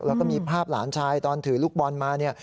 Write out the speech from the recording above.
แล้วก็มีภาพหลานชายตอนถือลูกบอลมาเนี่ย